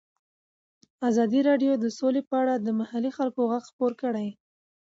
ازادي راډیو د سوله په اړه د محلي خلکو غږ خپور کړی.